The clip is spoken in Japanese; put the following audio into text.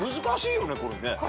難しいよね？